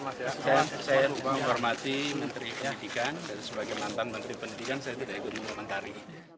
dan sebagai mantan menteri pendidikan saya tidak mengomentari